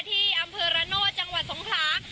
ที่อำเภอระโนธจังหวัดสงขลา